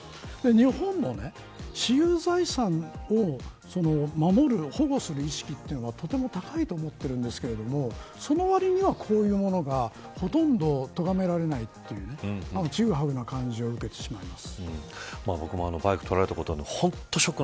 日本も私有財産を保護する意識というのがとても高いと思ってるんですけれどもその割には、こういうものがほとんどとがめられないというねちぐはぐな感じは受けてしまいます。